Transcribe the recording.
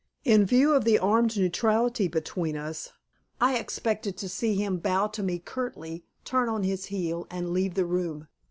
In view of the armed neutrality between us, I expected to see him bow to me curtly, turn on his heel and leave the room.